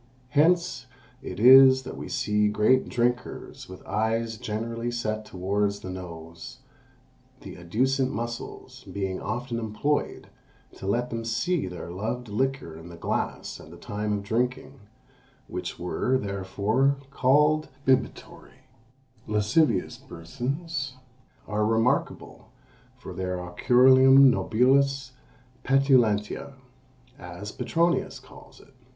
"Hence it is that we see great drinkers with eyes generally set towards the nose, the adducent muscles being often employed to let them see their loved liquor in the glass at the time of drinking; which were, therefore, called bibitory Lascivious persons are remarkable for the oculorum nobilis petulantia, as Petronius calls it.